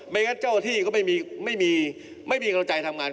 งั้นเจ้าที่ก็ไม่มีไม่มีกำลังใจทำงาน